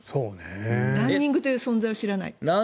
ランニングという存在を知らない？